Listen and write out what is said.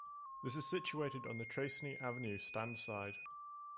This is situated on the Tracey Avenue Stand side.